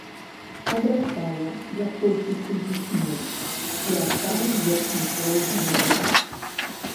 Адрастае, як толькі сыдзе снег і адтае верхні слой глебы.